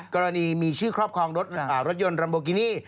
กรณีมีชื่อครอบครองรถยนต์รัมโบกินี่